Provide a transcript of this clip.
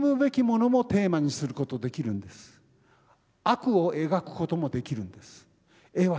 悪を描くこともできるんです。